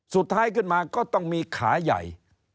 สุดท้ายขึ้นมาก็ต้องมีขาใหญ่